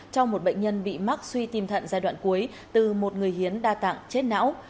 cho một bệnh nhân bị mắc suy tim thận giai đoạn cuối từ một người hiến đa tạng chết não